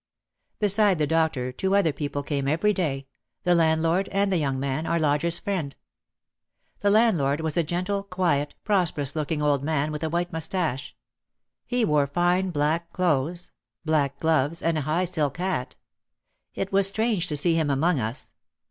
Beside the doctor two other people came every day, the landlord and the young man, our lodgers' friend. The landlord was a gentle, quiet, prosperous looking old man with a white moustache. He wore fine black clothes, black gloves and a high silk hat. It was strange to see him among us.